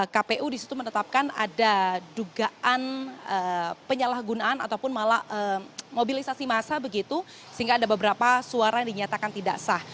kpu disitu menetapkan ada dugaan penyalahgunaan ataupun malah mobilisasi massa begitu sehingga ada beberapa suara yang dinyatakan tidak sah